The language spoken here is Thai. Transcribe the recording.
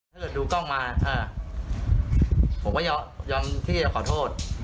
ถ้าเกิดดูกล้องมาอ่าผมก็ยอมยอมที่จะขอโทษ